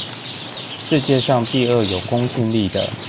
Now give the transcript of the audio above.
世界上第二有公信力的